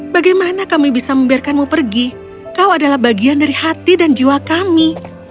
bagaimana kami bisa membiarkanmu pergi kau adalah bagian dari hati dan jiwa kami